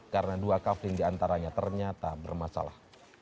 karena dua kafling di antaranya ternyata bermasalah